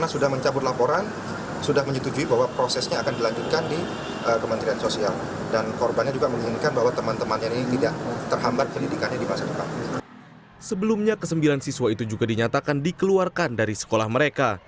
sebelumnya kesembilan siswa itu juga dinyatakan dikeluarkan dari sekolah mereka